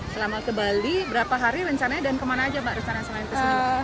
selama ke bali berapa hari rencananya dan kemana aja pak rencana selain kesini